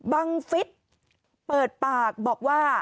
บังฟิศเปิดปากบอกว่า